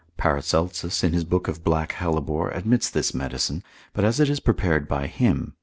Paracelsus, in his book of black hellebore, admits this medicine, but as it is prepared by him.